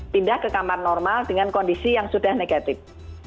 pindah ke kamar normal dengan kondisi yang sudah negatif